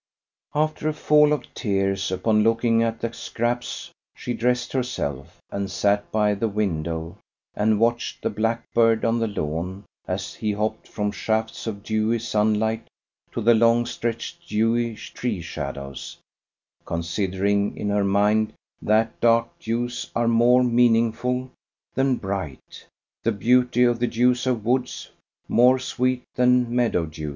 After a fall of tears, upon looking at the scraps, she dressed herself, and sat by the window and watched the blackbird on the lawn as he hopped from shafts of dewy sunlight to the long stretched dewy tree shadows, considering in her mind that dark dews are more meaningful than bright, the beauty of the dews of woods more sweet than meadow dews.